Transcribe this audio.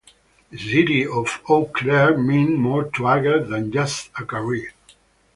The city of Eau Claire meant more to Ager than just a career.